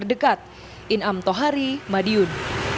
dekat inam tohari madiun